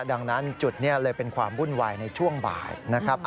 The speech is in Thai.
ดังนั้นจุดนี้เลยเป็นความวุ่นวายในช่วงบ่ายนะครับ